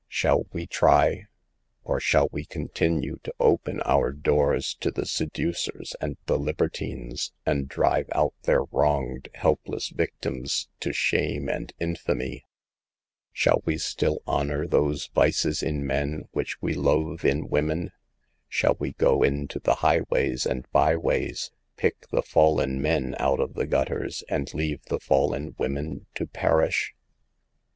Shall we try ? Or shall we continue to open our doors to the seducers and the libertines, and drive out their wronged, helpless victims to shame and infamy ? Shall we still honor those vices in men which we loathe in women ? Shall we go into the highways and byways, pick the fallen men out of the gutters and leave the fallen women to perish